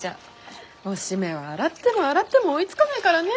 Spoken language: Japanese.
おしめは洗っても洗っても追いつかないからね。